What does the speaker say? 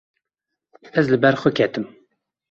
Ez li ber xwe ketim.